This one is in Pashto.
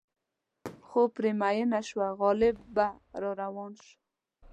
خو پرې مینه شوه غالبه را روان شو.